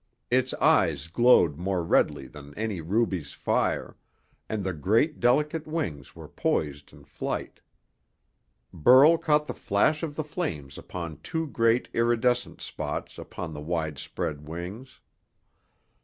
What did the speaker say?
Its eyes glowed more redly than any ruby's fire, and the great, delicate wings were poised in flight. Burl caught the flash of the flames upon two great iridescent spots upon the wide spread wings.